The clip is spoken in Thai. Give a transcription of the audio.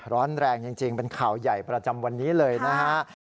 ร้อนแรงจริงเป็นข่าวใหญ่ประจำวันนี้เลยนะฮะ